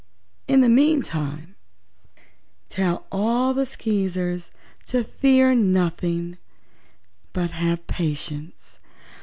In the meantime tell all the Skeezers to fear nothing, but have patience.